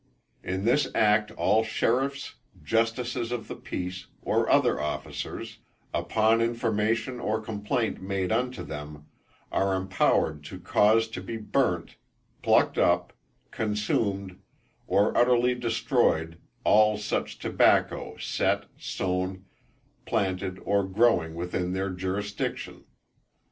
In this act all sheriffs, justices of the peace, or other officers, upon information or complaint made unto them, are empowered to cause to be burnt, plucked up, consumed or utterly destroyed all such tobacco, set, sown, planted or growing within their jurisdiction.